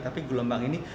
tapi gelombang ini